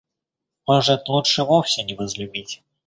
Может, лучше вовсе не возлюбить?